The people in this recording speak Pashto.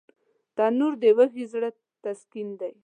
تنور د وږي زړه تسکین دی